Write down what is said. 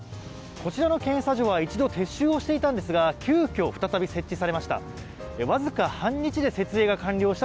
こちらの検査所は一度撤収をしていたんですが急きょ、再び設置されました。